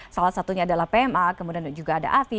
salah satunya adalah pma kemudian juga ada afi